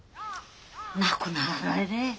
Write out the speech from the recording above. なくならないね。